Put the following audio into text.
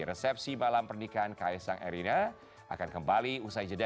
resepsi malam pernikahan kaisang erina akan kembali usai jeda